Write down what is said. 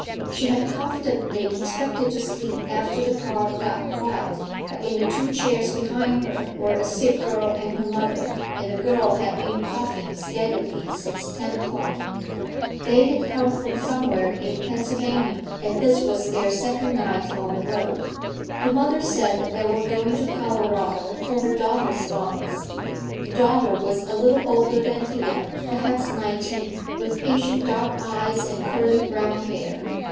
She had confidently expected to sleep after the car got quiet, but in the two chairs behind her were a sick girl and her mother, and the girl had been coughing steadily since ten o'clock. They had come from somewhere in Pennsylvania, and this was their second night on the road. The mother said they were going to Colorado "for her daughter's lungs." The daughter was a little older than Thea, perhaps nineteen, with patient dark eyes and curly brown hair.